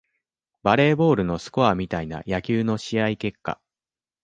バレーボールのスコアみたいな野球の試合結果